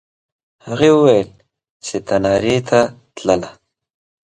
هغې وویل چې تنارې ته تلله.